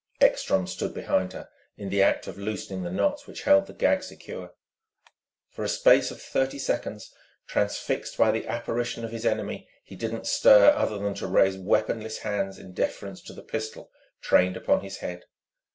Ekstrom stood behind her, in the act of loosening the knots which held the gag secure. For a space of thirty seconds, transfixed by the apparition of his enemy, he did not stir other than to raise weaponless hands in deference to the pistol trained upon his head.